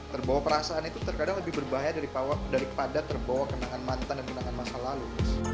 terbawa perasaan itu terkadang lebih berbahaya daripada terbawa kenangan mantan dan kenangan masa lalu